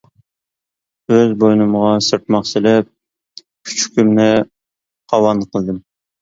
ئۆز بوينۇمغا سىرتماق سېلىپ، كۈچۈكۈمنى قاۋان قىلدىم.